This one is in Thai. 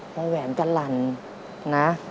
ว่าแหวนกรรณนะ